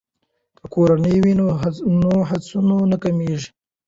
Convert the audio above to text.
که کورنۍ وي نو هڅونه نه کمیږي.